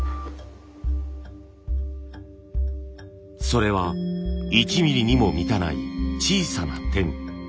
それは１ミリにも満たない小さな点。